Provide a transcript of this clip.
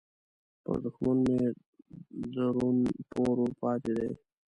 پر دوښمن مو درون پور ورپاتې دې